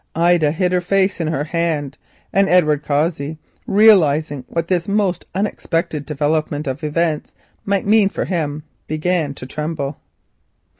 Ida hid her face in her hand, and Edward Cossey realising what this most unexpected development of events might mean for him, began to tremble.